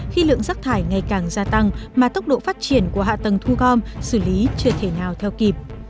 khi lượng rác thải ngày càng gia tăng mà tốc độ phát triển của hạ tầng thu gom xử lý chưa thể nào theo kịp